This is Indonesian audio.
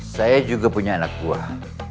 saya juga punya anak buah